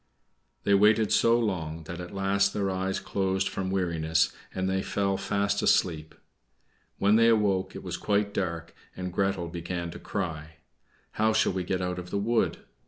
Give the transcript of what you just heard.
They waited so long, that at last their eyes closed from weariness, and they fell fast asleep. When they awoke it was quite dark, and Gretel began to cry, "How shall we get out of the wood?"